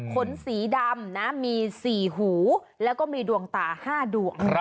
ขนสีดำนะมี๔หูแล้วก็มีดวงตา๕ดวง